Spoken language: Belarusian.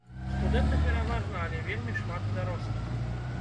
Студэнты пераважна, але вельмі шмат і дарослых.